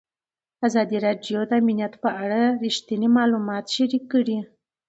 ازادي راډیو د امنیت په اړه رښتیني معلومات شریک کړي.